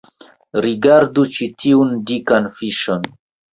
Rigardu ĉi tiun dikan fiŝon